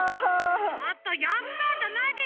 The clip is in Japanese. ちょっと「やった！」じゃないでしょ。